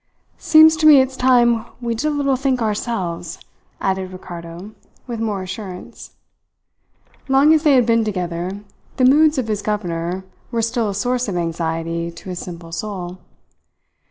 "Seems to me it's time we did a little think ourselves," added Ricardo, with more assurance. Long as they had been together the moods of his governor were still a source of anxiety to his simple soul.